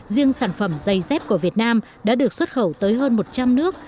riêng sản phẩm dây dép của việt nam đã được xuất khẩu tới hơn một trăm linh nước